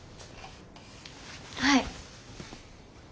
はい。